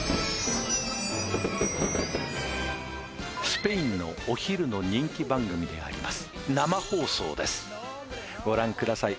スペインのお昼の人気番組であります生放送ですご覧ください